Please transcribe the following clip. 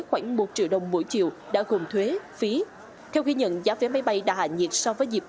khoảng một triệu đồng mỗi chiều đã gồm thuế phí theo ghi nhận giá vé máy bay đã hạ nhiệt so với dịp